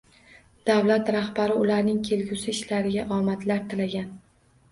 Davlat rahbari ularning kelgusi ishlariga omadlar tilagan